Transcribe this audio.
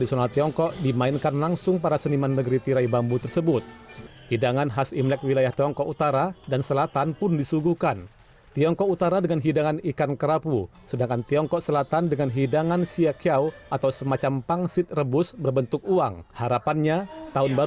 sampai jumpa di video selanjutnya